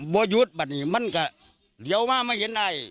บอกหยุดมันก็เหลียวมาไม่เห็นอะไร